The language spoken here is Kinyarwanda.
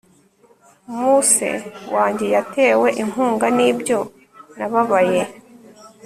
muse wanjye yatewe inkunga nibyo nababaye